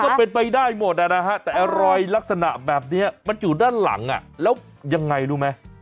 มันเป็นไปได้หมดนะฮะแต่รอยลักษณะแบบนี้มันอยู่ด้านหลังแล้วยังไงรู้ไหม